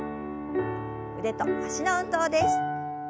腕と脚の運動です。